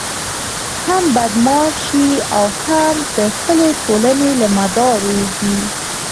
هم بدماش شي او هم د خپلې ټولنې له مدار ووزي.